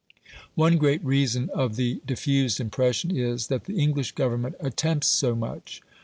One great reason of the diffused impression is, that the English Government attempts so much.